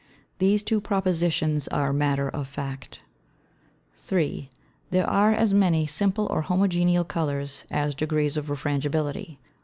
These Two Propositions are Matter of Fact. 3. There are as many Simple or Homogeneal Colours, as Degrees of Refrangibility.